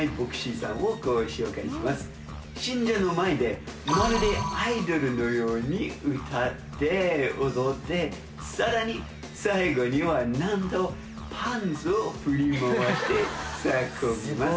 信者の前でまるでアイドルのように歌って踊ってさらに最後にはなんとパンツを振り回して叫びます。